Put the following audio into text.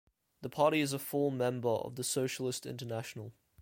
The party is a full member of the Socialist International.